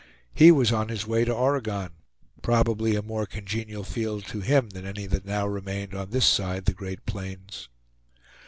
He was on his way to Oregon, probably a more congenial field to him than any that now remained on this side the great plains.